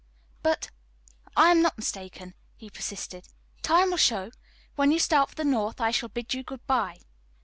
"But I am not mistaken," he persisted. "Time will show. When you start for the North I shall bid you good by."